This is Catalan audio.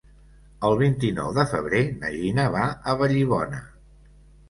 El vint-i-nou de febrer na Gina va a Vallibona.